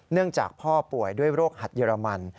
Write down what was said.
เนื่องจากพ่อป่วยด้วยโรคหัดเยอรมัน